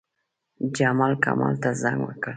جمال، کمال ته زنګ وکړ.